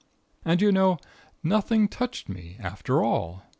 "And, you know, nothing touched me, after all!